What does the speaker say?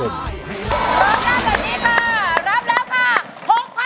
ร้องได้แบบนี้ค่ะ